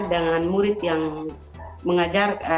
dengan murid yang mengajar